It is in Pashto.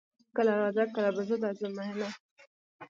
کله راځه کله به زه درځم میینه